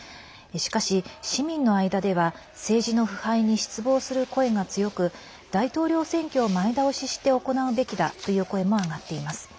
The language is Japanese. しかし、市民の間では政治の腐敗に失望する声が強く大統領選挙を前倒しして行うべきだという声も上がっています。